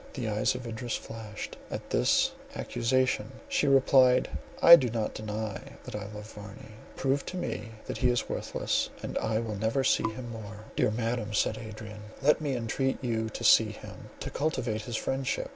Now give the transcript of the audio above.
The eyes of Idris flashed at this accusation; she replied, "I do not deny that I love Verney; prove to me that he is worthless; and I will never see him more." "Dear Madam," said Adrian, "let me entreat you to see him, to cultivate his friendship.